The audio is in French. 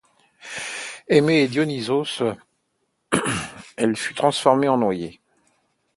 Aimée de Dionysos, elle fut transformée en noyer.